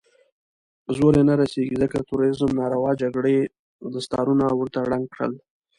زور يې نه رسېږي، ځکه د تروريزم ناروا جګړې دستارونه ورته ړنګ کړل.